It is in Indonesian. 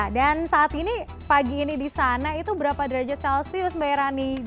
dan saat ini pagi ini di sana itu berapa derajat celcius mbak irani